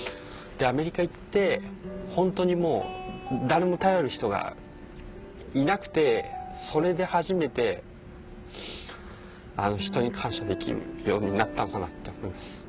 でアメリカ行って本当にもう誰も頼る人がいなくてそれで初めてあの人に感謝できるようになったのかなって思います。